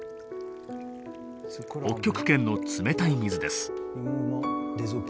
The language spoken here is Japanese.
北極圏の冷たい水です。